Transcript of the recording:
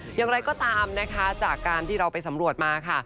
อย่างไรก็ตามนะคะจากการที่เราไปสำรวจมาค่ะ